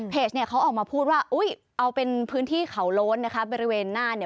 เนี่ยเขาออกมาพูดว่าอุ้ยเอาเป็นพื้นที่เขาโล้นนะคะบริเวณหน้าเนี่ย